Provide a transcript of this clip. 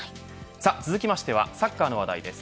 続きましてはサッカーの話題です。